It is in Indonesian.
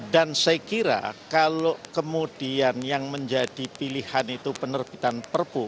dan saya kira kalau kemudian yang menjadi pilihan itu penerbitan perpu